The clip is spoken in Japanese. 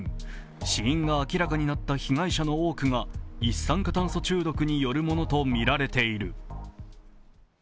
死因が明らかになった被害者の多くが一酸化炭素中毒によるものとみられている。